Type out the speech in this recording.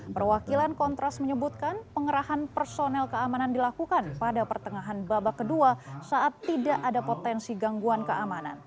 perwakilan kontras menyebutkan pengerahan personel keamanan dilakukan pada pertengahan babak kedua saat tidak ada potensi gangguan keamanan